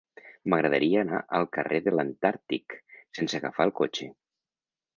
M'agradaria anar al carrer de l'Antàrtic sense agafar el cotxe.